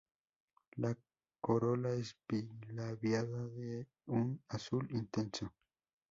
La corola es bilabiada y de un azul intenso.